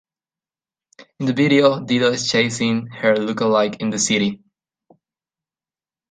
In the video, Dido is chasing her lookalike in the city.